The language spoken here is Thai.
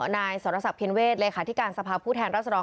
นายสรษะสัพเพียรเวศเลยค่ะที่การสภาพผู้แทนรัฐธรรม